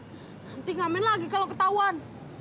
nanti ngamen lagi kalau ketahuan